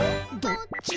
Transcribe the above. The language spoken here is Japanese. どっち？